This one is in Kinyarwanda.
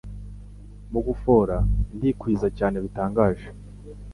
mu gufora ndikwizacyane bitangaje